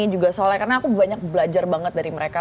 juga soley karena aku banyak belajar banget dari mereka